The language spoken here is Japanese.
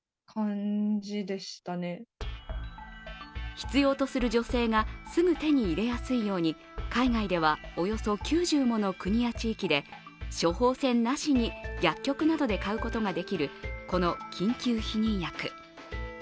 必要とする女性がすぐ手に入れやすいように海外ではおよそ９０もの国や地域で処方箋なしに薬局などで買うことができるこの緊急避妊薬。